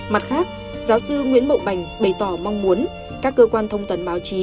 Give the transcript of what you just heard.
mặt khác giáo sư nguyễn mậu bành bày tỏ mong muốn các cơ quan thông tấn báo chí